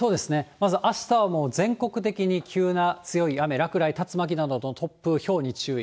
まずあしたはもう全国的に急な強い雨、落雷、竜巻などの突風、ひょうに注意。